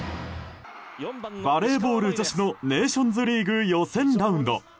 バレーボール女子のネーションズリーグ予選ラウンド。